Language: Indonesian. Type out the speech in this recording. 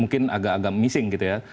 mungkin agak agak missing gitu ya